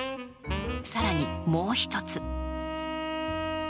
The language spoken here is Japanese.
更に、もう一つ。